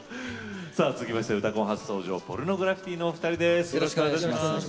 続いては「うたコン」初登場のポルノグラフィティのお二人です。